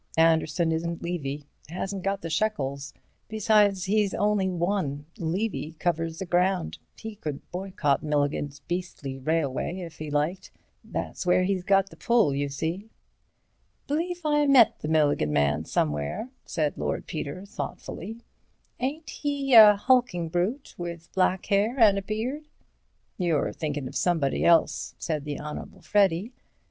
"Anderson isn't Levy. Hasn't got the shekels. Besides, he's only one. Levy covers the ground—he could boycott Milligan's beastly railway if he liked. That's where he's got the pull, you see." "B'lieve I met the Milligan man somewhere," said Lord Peter, thoughtfully; "ain't he a hulking brute with black hair and a beard?" "You're thinkin' of somebody else," said the Honourable Freddy.